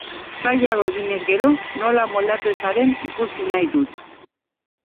Data irailean erabakiko dute.